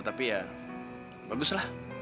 tapi ya bagus lah